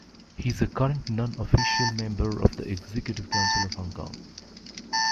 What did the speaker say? He is a current non-official member of the Executive Council of Hong Kong.